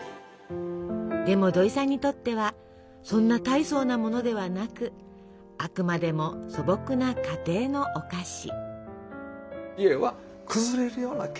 でも土井さんにとってはそんな大層なものではなくあくまでも素朴な家庭のお菓子。